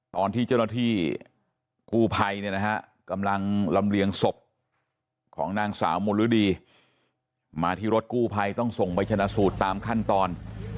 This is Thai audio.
ตอนที่เจ้าหน้าที่กู้ภัยเนี่ยนะฮะกำลังลำเลียงศพของนางสาวมนฤดีมาที่รถกู้ภัยต้องส่งไปชนะสูตรตามขั้นตอน